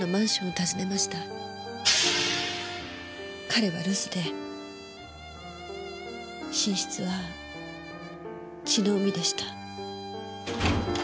彼は留守で寝室は血の海でした。